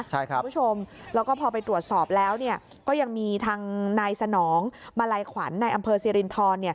คุณผู้ชมแล้วก็พอไปตรวจสอบแล้วก็ยังมีทางนายสนองมาลัยขวัญในอำเภอสิรินทร